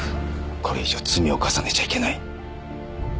これ以上罪を重ねちゃいけない。